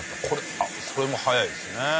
これも速いですね